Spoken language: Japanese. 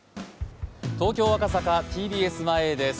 東京・赤坂、ＴＢＳ前です。